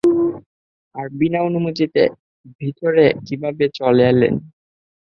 আর বিনা অনুমতিতে ভিতরে কিভাবে চলে এলেন?